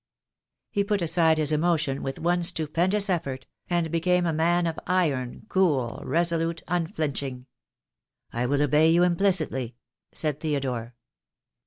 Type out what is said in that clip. He put aside his emotion with one stupendous effort, and became a man of iron, cool, resolute, unflinching. "I will obey you implicitly," said Theodore.